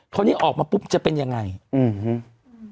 คราวนี้ออกมาปุ๊บจะเป็นยังไงอืม